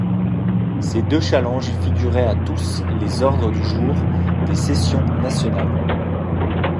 Ces deux challenges figuraient à tous les ordres du jour des sessions nationales.